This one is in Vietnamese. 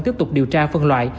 tiếp tục điều tra phân loại